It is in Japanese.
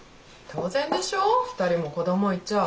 当然でしょ２人も子供いちゃ。